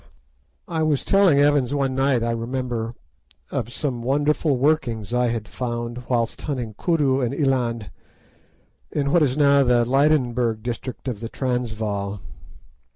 I was telling Evans one night, I remember, of some wonderful workings I had found whilst hunting koodoo and eland in what is now the Lydenburg district of the Transvaal.